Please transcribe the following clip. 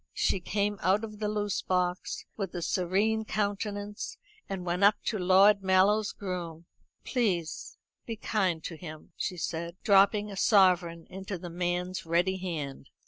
She came out of the loose box with a serene countenance, and went up to Lord Mallow's groom. "Please be kind to him," she said, dropping a sovereign into the man's ready hand.